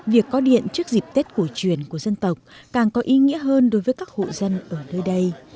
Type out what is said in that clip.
việc có điện trước dịp tết cổ truyền của dân tộc càng có ý nghĩa hơn đối với các hộ dân ở nơi đây